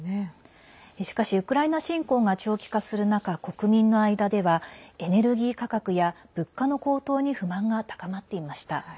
しかし、ウクライナ侵攻が長期化する中国民の間ではエネルギー価格や物価の高騰に不満が高まっていました。